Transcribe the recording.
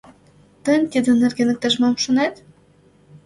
Тын тидын нерген иктаж-мом шонет?